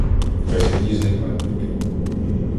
Вказівні займенники